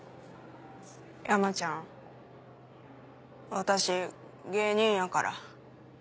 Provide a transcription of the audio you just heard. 私芸人やから。